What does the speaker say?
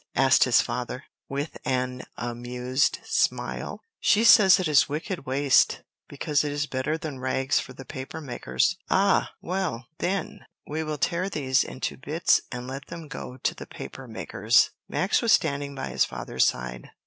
asked his father, with an amused smile. "She says it is wicked waste, because it is better than rags for the paper makers." "Ah! well, then, we will tear these into bits and let them go to the paper makers." Max was standing by his father's side.